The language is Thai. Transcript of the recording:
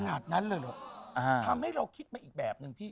ขนาดนั้นเลยเหรอทำให้เราคิดมาอีกแบบนึงพี่